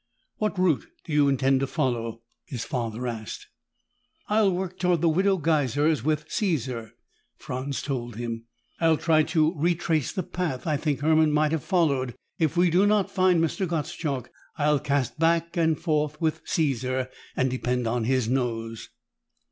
"What route do you intend to follow?" his father asked. "I'll work toward the Widow Geiser's with Caesar," Franz told him. "I'll try to retrace the path I think Hermann might have followed. If we do not find Mr. Gottschalk, I'll cast back and forth with Caesar and depend on his nose."